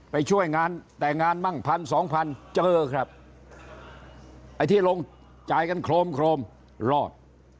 ไปช่วยงานแต่งงานมั่งพันสองพันเจอครับไอ้ที่ลงจ่ายกันโครมโครมรอด